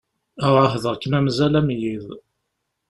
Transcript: Ɛuhdeɣ-kem am uzal am yiḍ.